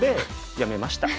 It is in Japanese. やめました？